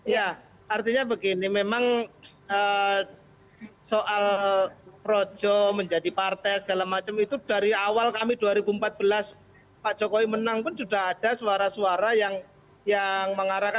ya artinya begini memang soal projo menjadi partai segala macam itu dari awal kami dua ribu empat belas pak jokowi menang pun sudah ada suara suara yang mengarahkan